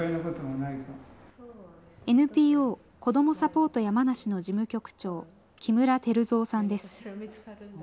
ＮＰＯこどもサポートやまなしの事務局長、木村輝三さんです。